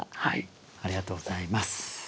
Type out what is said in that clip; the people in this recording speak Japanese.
ありがとうございます。